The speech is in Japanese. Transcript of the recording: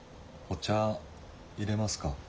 お茶いれますか？